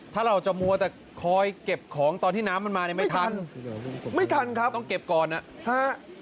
ถ้าเราจะมัวแต่คอยเก็บของตอนที่น้ำมันมาเนี่ยไม่ทันไม่ทันครับต้องเก็บก่อนอ่ะฮะ